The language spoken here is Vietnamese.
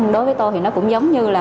đối với tôi thì nó cũng giống như là